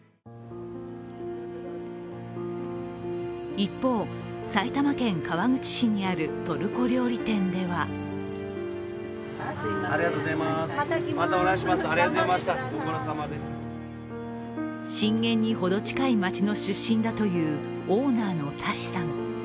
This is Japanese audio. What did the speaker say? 一方、埼玉県川口市にあるトルコ料理店では震源にほど近い街の出身だというオーナーのタシさん。